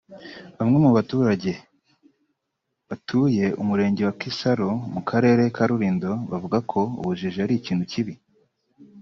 Bamwe mu baturage batuye umurenge wa Kisaro mu karere ka Rulindo bavuga ko ubujiji ari ikintu kibi